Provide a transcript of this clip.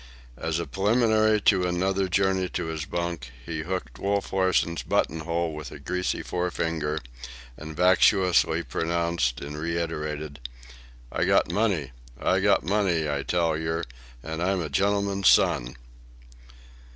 As a preliminary to another journey to his bunk, he hooked Wolf Larsen's buttonhole with a greasy forefinger and vacuously proclaimed and reiterated, "I got money, I got money, I tell yer, an' I'm a gentleman's son."